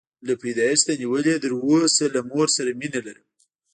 له پیدایښته نیولې تر اوسه له مور سره مینه لرم.